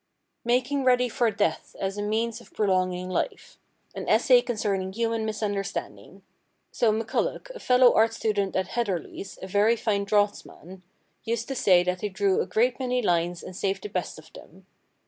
Making Ready for Death as a Means of Prolonging Life. An Essay concerning Human Misunderstanding. So McCulloch [a fellow art student at Heatherley's, a very fine draughtsman] used to say that he drew a great many lines and saved the best of them.